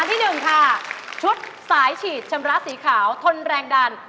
ที่หนึ่งค่ะชุดสายฉีดชำระสีขาวทนแรงดัน